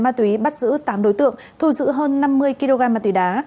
ma túy bắt giữ tám đối tượng thu giữ hơn năm mươi kg ma túy đá